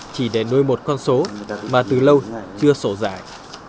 chỉ để nuôi một con số mà từ lâu chưa sổ giải